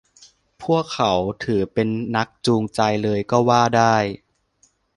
พวกเขาถือเป็นนักจูงใจเลยก็ว่าได้